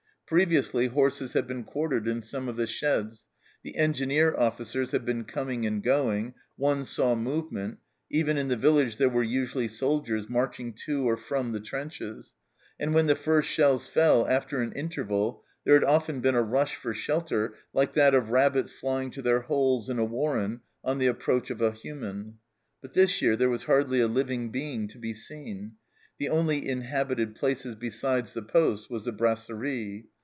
Previously horses had been quartered in some of the sheds, the Engineer officers had been coming and going, " one saw movement "; even in the village there were usually soldiers marching to or from the trenches, and when the first shells fell after an interval, there had often been a rush for shelter like that of rabbits flying to their holes in a warren on the approach of a " human." But this year there was hardly a living being to be seen ; the only inhabited place besides the poste was the brasserie.